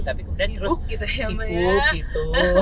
tapi kemudian terus sibuk gitu